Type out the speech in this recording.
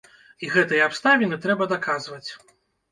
І гэтыя абставіны трэба даказваць.